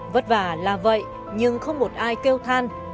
vất vả là vậy nhưng không một ai kêu than